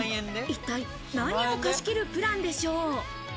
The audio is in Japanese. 一体何を貸し切るプランでしょう？